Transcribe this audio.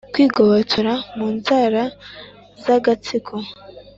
kwigobotora mu nzara z' agatsiko